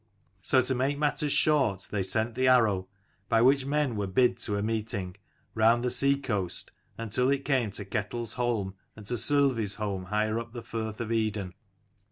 So, to make matters short, they sent the arrow, by which men were bid to a meeting, round the sea coast until it came to Ketel's holm and to Solvi's holm higher up the firth of Eden.